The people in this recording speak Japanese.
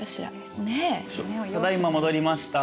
ただいま戻りました。